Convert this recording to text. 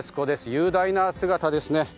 雄大な姿ですね。